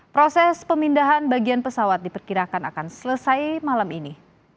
proses pemindahan bagian pesawat diperkirakan akan selesai malam ini